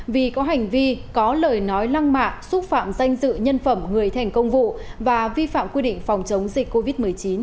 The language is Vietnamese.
vì có hành vi có lời nói lăng mạ xúc phạm danh dự nhân phẩm người thành công vụ và vi phạm quy định phòng chống dịch covid một mươi chín